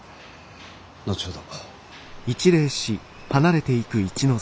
後ほど。